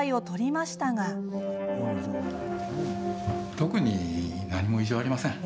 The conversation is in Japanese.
特に何も異常はありません。